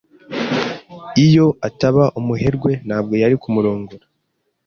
Iyo ataba umuherwe, ntabwo yari kumurongora.